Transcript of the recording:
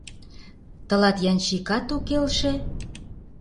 Тылат Янщикат ок келше?